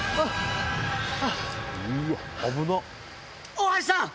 大橋さん！